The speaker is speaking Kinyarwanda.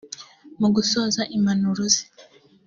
Mu gusoza impanuro ze